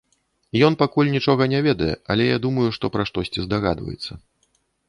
Ён пакуль нічога не ведае, але я думаю, што пра штосьці здагадваецца.